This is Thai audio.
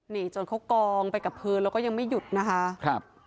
นี่จนเขากองไปกับพื้นแล้วก็ยังไม่หยุดนะคะครับ